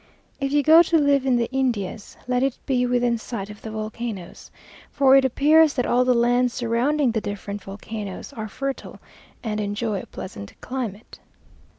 "If you go to live in the Indias, let it be within sight of the volcanoes;" for it appears that all the lands surrounding the different volcanoes are fertile, and enjoy a pleasant climate.